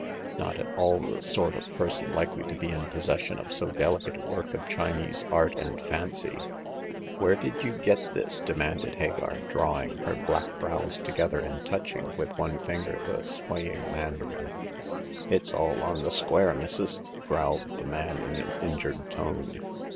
Not at all the sort of person likely to be in pos session of so delicate a work of Chinese art and fancy. Where did you get this ?" demanded Hagar, drawing her black brows together and touching ^h one finger the swaying maudariu. The Seventh Customer. 183 " It's all on the square, missus !" growled the man in an injured tone.